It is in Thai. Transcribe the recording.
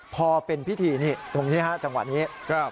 พอเป็นพิธีนี่ตรงนี้ฮะจังหวะนี้